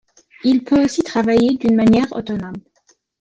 Il peut aussi travailler d'une manière autonome.